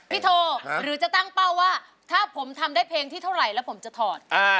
โทหรือจะตั้งเป้าว่าถ้าผมทำได้เพลงที่เท่าไหร่แล้วผมจะถอด